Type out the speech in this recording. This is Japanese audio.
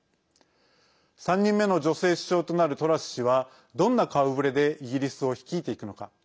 ３人目の女性首相となるトラス氏はどんな顔ぶれでイギリスを率いていくのか。